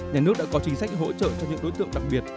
nhà nước đã có chính sách hỗ trợ cho những đối tượng đặc biệt